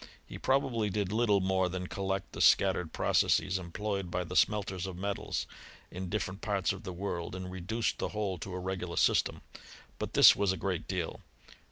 He probably did little more than collect the scattered processes employed by the smelters of metals, in different parts of the world, and reduce the whole to a regular system. But this was a great deal.